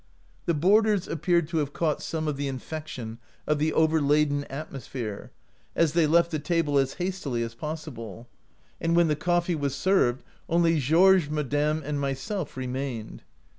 " The boarders appeared to have caught some of the infection of the overladen at mosphere, as they left the table as hastily as possible ; and when the coffee was served only Georges, madame, and myself re mained.